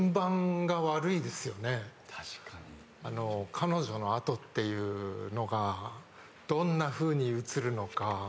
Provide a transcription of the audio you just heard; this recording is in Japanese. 彼女の後っていうのがどんなふうに映るのか。